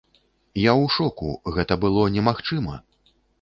Я у шоку, гэта было немагчыма!